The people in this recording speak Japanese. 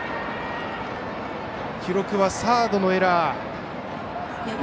記録はサードのエラー。